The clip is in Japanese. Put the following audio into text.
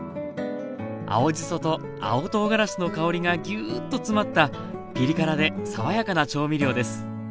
青じそと青とうがらしの香りがギューッと詰まったピリ辛で爽やかな調味料です